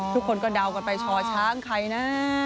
ทุกคนก็เดากันไปช่อช้างใครนะ